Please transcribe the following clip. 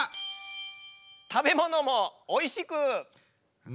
食べ物もおいしく。